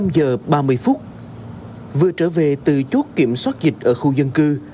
năm giờ ba mươi phút vừa trở về từ chốt kiểm soát dịch ở khu dân cư